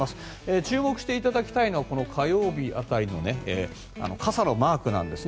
注目していただきたいのはこの火曜日辺りの傘のマークなんですね。